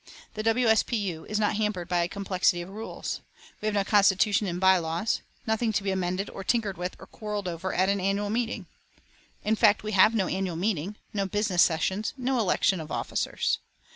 The W. S. P. U. is not hampered by a complexity of rules. We have no constitution and by laws; nothing to be amended or tinkered with or quarrelled over at an annual meeting. In fact, we have no annual meeting, no business sessions, no elections of officers.